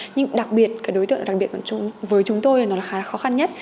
nhưng đặc biệt cái đối tượng đặc biệt với chúng tôi nó là khá là khó khăn nhất